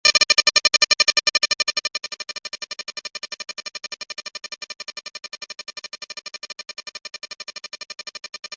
Durante muchos años, el único compañero de Wundt fue un niño discapacitado.